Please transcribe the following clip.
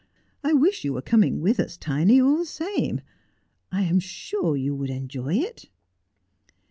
I wish you were coming with us, Tiny, all the same. I am sure you would enjoy it.'